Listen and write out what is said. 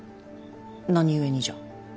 何故にじゃ。